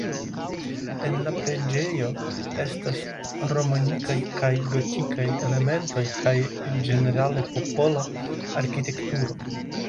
En la preĝejo estas romanikaj kaj gotikaj elementoj kaj ĝenerale popola arkitekturo.